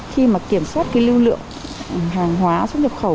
khi mà kiểm soát cái lưu lượng hàng hóa xuất nhập khẩu